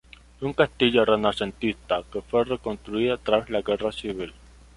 Un castillo renacentista que fue reconstruido tras la Guerra Civil.